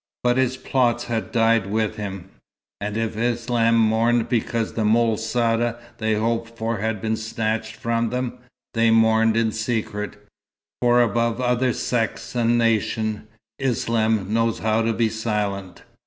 But his plots had died with him; and if Islam mourned because the Moul Saa they hoped for had been snatched from them, they mourned in secret. For above other sects and nations, Islam knows how to be silent.